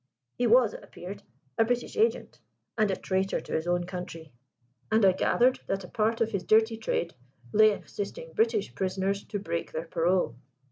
He was, it appeared, a British agent and a traitor to his own country and I gathered that a part of his dirty trade lay in assisting British prisoners to break their parole.